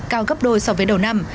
cao gấp đôi so với đầu năm